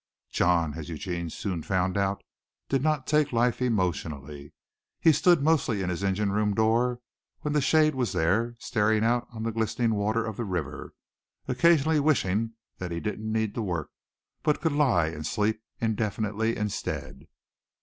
John, as Eugene soon found out, did not take life emotionally. He stood mostly in his engine room door when the shade was there staring out on the glistening water of the river, occasionally wishing that he didn't need to work but could lie and sleep indefinitely instead.